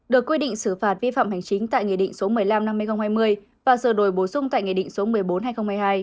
được quy định xử phạt vi phạm hành chính tại nghị định số một mươi năm năm hai nghìn hai mươi và sửa đổi bổ sung tại nghị định số một mươi bốn hai nghìn hai mươi hai